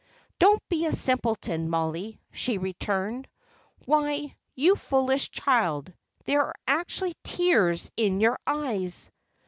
"Don't be a simpleton, Mollie," she returned. "Why, you foolish child, there are actually tears in your eyes!